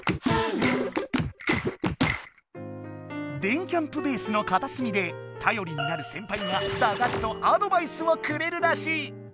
電キャんぷベースのかたすみでたよりになるセンパイがだがしとアドバイスをくれるらしい。